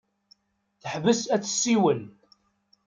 Teḥbes ad tessiwel.